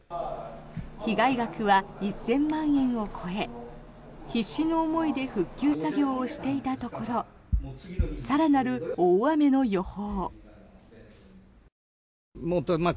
被害額は１０００万円を超え必死の思いで復旧作業をしていたところ更なる大雨の予報。